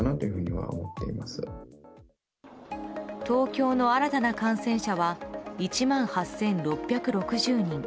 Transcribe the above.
東京の新たな感染者は１万８６６０人。